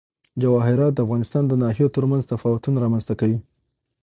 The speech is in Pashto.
جواهرات د افغانستان د ناحیو ترمنځ تفاوتونه رامنځ ته کوي.